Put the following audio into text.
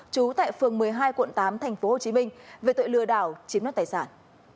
trú tại phường một mươi hai quận tám tp hcm về tội lừa đảo chiếm đoạt tài sản